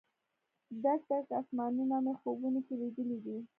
ډک، ډک اسمانونه مې خوبونو کې لیدلې دي